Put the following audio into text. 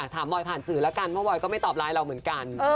บอยผ่านสื่อแล้วกันเพราะบอยก็ไม่ตอบไลน์เราเหมือนกัน